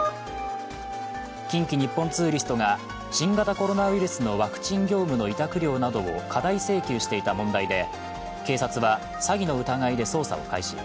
近畿日本ツーリストが新型コロナウイルスのワクチン業務の委託料などを過大請求していた問題で警察は詐欺の疑いで捜査を開始。